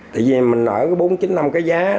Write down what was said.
tại vì mình ở bốn chín năm cái giá